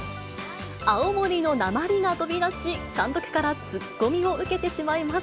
青森のなまりが飛び出し、監督からツッコミを受けてしまいます。